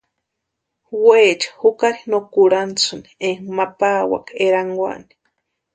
Weecha jukari no kurhantisïni éka ma pawaka erankwani.